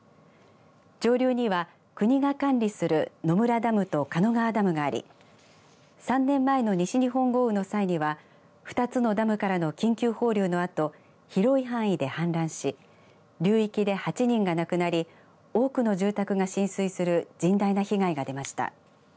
上流には国が管理する野村ダムと鹿野川ダムがあり３年前の西日本豪雨の際には２つのダムからの緊急放流のあと広い範囲で氾濫し流域で８人が亡くなり多くの住宅が浸水する甚大な被害が出ました。